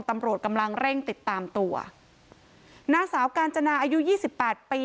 ตำรวจกำลังเร่งติดตามตัวนางสาวกาญจนาอายุยี่สิบแปดปี